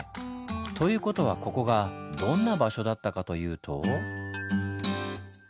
という事はここがどんな場所だったかというと。